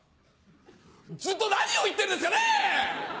ずっと何を言ってるんですかね